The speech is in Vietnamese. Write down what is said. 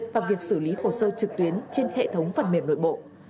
và việc xử lý hồ sơ trực tuyến trên hệ thống phần mềm nội bộ